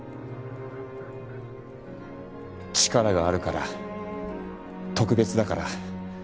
力があるから特別だから。